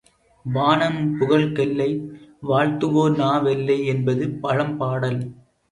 வாணன் புகழ்க்கெல்லை வாழ்த்துவோர் நாவெல்லை என்பது பழம் பாடல்!